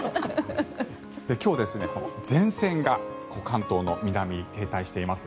今日、前線が関東の南に停滞しています。